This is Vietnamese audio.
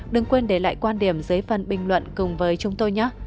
đừng quên để lại quan điểm dưới phần bình luận cùng với chúng tôi nhé